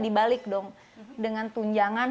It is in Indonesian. dibalik dong dengan tunjangan